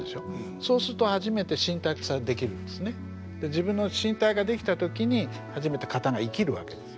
自分の身体ができた時に初めて型が生きるわけです。